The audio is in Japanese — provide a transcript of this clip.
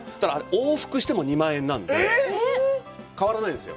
往復しても２万円なんで、変わらないんですよ。